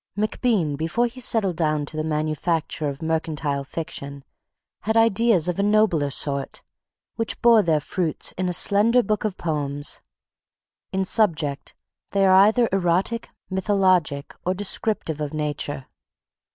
MacBean, before he settled down to the manufacture of mercantile fiction, had ideas of a nobler sort, which bore their fruit in a slender book of poems. In subject they are either erotic, mythologic, or descriptive of nature.